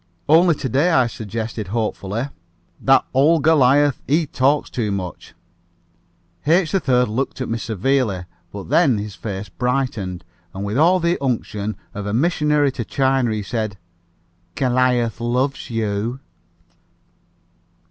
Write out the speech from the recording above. Only to day I suggested hopefully "That ole Goliath he talks too much." H. 3rd looked at me severely, but then his face brightened, and with all the unction of a missionary to China he said, "Goliath loves you."